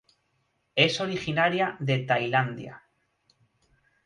Es originaria de Tailandia.